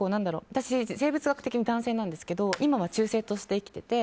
生物学的に男性なんですけど今は中性として生きてて。